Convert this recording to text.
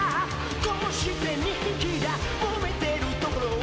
「こうして２匹がもめてるところを」